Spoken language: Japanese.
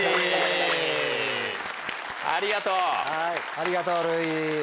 ありがとうるうい。